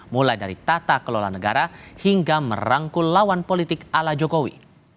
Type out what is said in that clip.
mulai dari tata kelola negara hingga merangkul lawan politik ala jokowi